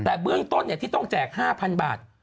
แต่เบื้องต้นที่ต้องแจก๕๐๐บาท